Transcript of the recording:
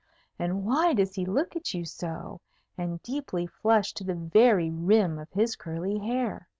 And why does he look at you so, and deeply flush to the very rim of his curly hair?